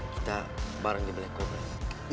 kita bareng di belakang